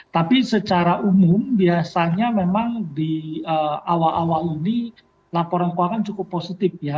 tapi secara umum biasanya memang di awal awal ini laporan keuangan cukup positif ya